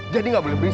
jadi gak boleh berisik